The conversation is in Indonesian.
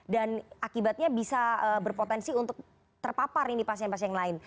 dan akibatnya bisa berpotensi untuk terpapar ini pasien pasien lain